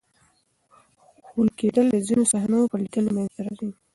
خولې کېدل د ځینو صحنو په لیدلو منځ ته راځي.